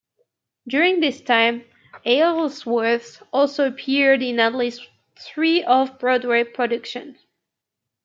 During this time Aylesworth also appeared in at least three Off Broadway productions.